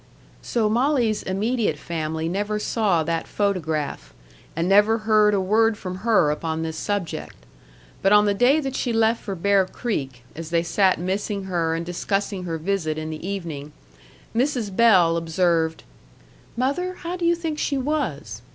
So Molly's immediate family never saw that photograph, and never heard a word from her upon this subject. But on the day that she left for Bear Creek, as they sat missing her and discussing her visit in the evening, Mrs. Bell observed: "Mother, how did you think she was?"